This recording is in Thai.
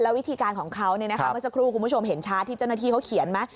วิธีการของเขาเมื่อสักครู่คุณผู้ชมเห็นชาร์จที่เจ้าหน้าที่เขาเขียนไหม